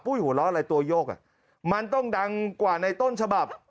หัวเราะอะไรตัวโยกอ่ะมันต้องดังกว่าในต้นฉบับ